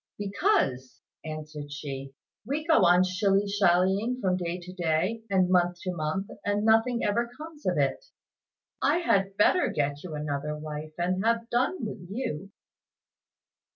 "Because," answered she, "we go on shilly shallying from day to day, and month to month, and nothing ever comes of it. I had better get you another wife and have done with you."